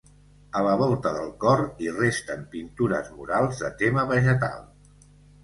A la volta del cor hi resten pintures murals de tema vegetal.